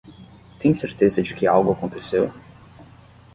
Tem certeza de que algo aconteceu?